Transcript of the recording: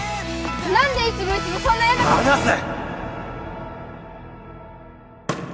何でいつもいつもそんな嫌なこと離せ！